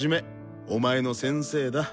お前の先生だ。